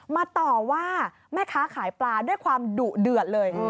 ต่อว่าแม่ค้าขายปลาด้วยความดุเดือดเลย